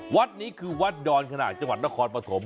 วัดนี้คือวัดดอนขนาดจังหวัดนครปฐม